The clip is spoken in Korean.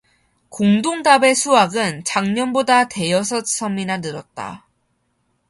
공동답의 수확은 작년보다 대여섯 섬이나 늘었다.